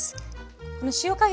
この塩加減もね